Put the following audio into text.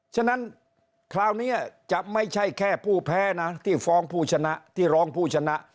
ฉะนั้นคราวนี้จะไม่ใช่แค่ผู้แพ้นะที่ฟ้องผู้ชนะที่ร้องผู้ชนะ